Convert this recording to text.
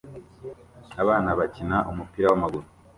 Abana bakina umupira wamaguru